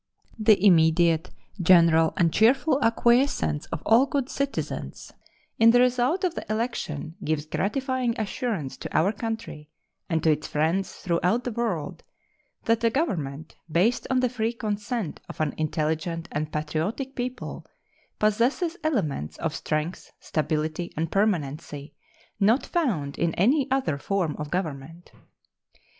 The immediate, general, and cheerful acquiescence of all good citizens in the result of the election gives gratifying assurance to our country and to its friends throughout the world that a government based on the free consent of an intelligent and patriotic people possesses elements of strength, stability, and permanency not found in any other form of government.